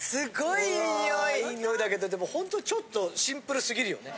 いい匂いだけどホントにちょっとシンプルすぎるよね。